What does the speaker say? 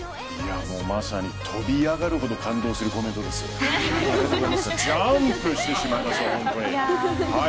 まさに飛び上がるほど感動するコメントですよ。